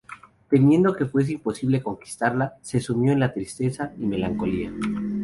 Temiendo que le fuese imposible conquistarla, se sumió en la tristeza y melancolía.